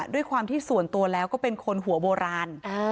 ด้วยความที่ส่วนตัวแล้วก็เป็นคนหัวโบราณ